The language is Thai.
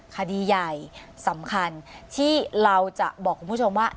คดีใหญ่สำคัญที่เราจะบอกคุณผู้ชมว่า